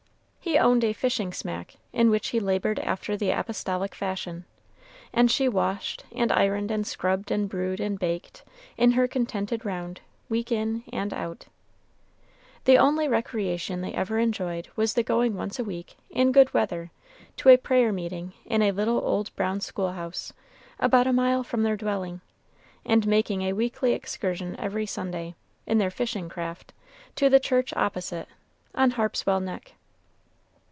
He owned a fishing smack, in which he labored after the apostolic fashion; and she washed, and ironed, and scrubbed, and brewed, and baked, in her contented round, week in and out. The only recreation they ever enjoyed was the going once a week, in good weather, to a prayer meeting in a little old brown school house, about a mile from their dwelling; and making a weekly excursion every Sunday, in their fishing craft, to the church opposite, on Harpswell Neck.